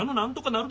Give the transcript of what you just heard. なる？